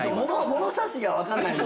物差しが分かんないんで。